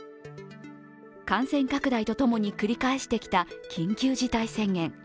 感染拡大とともに繰り返してきた緊急事態宣言。